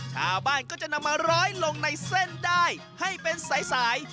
ชาวบ้านก็จะนำมาร้อยลงในเส้นได้ให้เป็นสาย